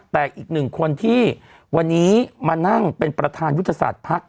แต่อีกหนึ่งคนที่วันนี้มานั่งเป็นประธานยุทธศาสตร์ภักดิ์